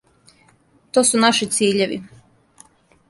То су наши циљеви.